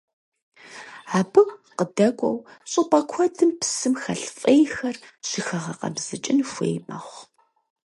Абы къыдэкӀуэу щӀыпӀэ куэдым псым хэлъ фӀейхэр щыхэгъэкъэбзыкӀын хуей мэхъу.